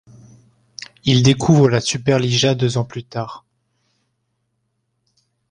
Il découvre la Superliga deux ans plus tard.